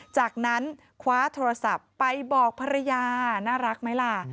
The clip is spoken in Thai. จากนั้นคว้าโทรศัพท์ไปบอกภรรยาน่ารักไหมล่ะ